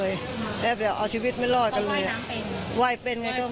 พูดสิทธิ์ข่าวธรรมดาทีวีรายงานสดจากโรงพยาบาลพระนครศรีอยุธยาครับ